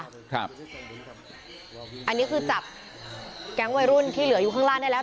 อันนี้คือจับแก๊งวัยรุ่นที่เหลืออยู่ข้างล่างได้แล้ว